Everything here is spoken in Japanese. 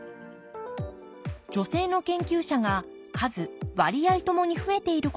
女性の研究者が数割合ともに増えていることを示すグラフです。